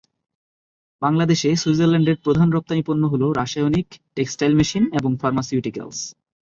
বাংলাদেশে সুইজারল্যান্ডের প্রধান রপ্তানি পণ্য হলো রাসায়নিক, টেক্সটাইল মেশিন এবং ফার্মাসিউটিক্যালস।